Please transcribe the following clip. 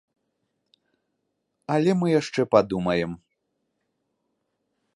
Але мы яшчэ падумаем.